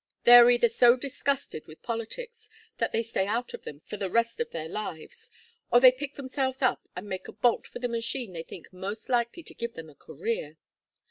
They are either so disgusted with politics that they stay out of them for the rest of their lives, or they pick themselves up and make a bolt for the machine they think most likely to give them a career.